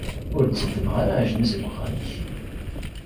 Ur d-tteddmeɣ ara aɛejmi seg uxxam-ik.